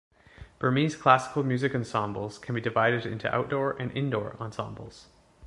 Burmese classical music ensembles can be divided into outdoor and indoor ensembles.